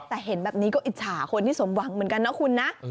แต่เห็นแบบนี้ก็อิจฉาคนที่สมหวังเหมือนกันนะคุณนะ